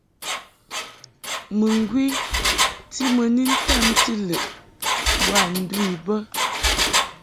Muŋgwi ti mɨ ni ntamti lɨʼ boa ndu I bə.